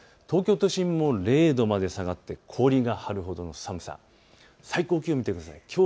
東京都心も０度まで下がって氷が張るほどの寒さ、最高気温を見てください。